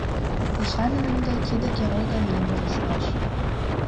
Эчанын ынде тиде герой гай лиймыже шуэш.